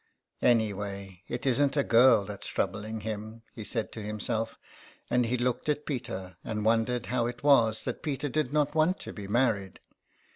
'' Any way it isn't a girl that's troubling him," he said to himself, and he looked at Peter, and won dered how it was that Peter did not want to be married.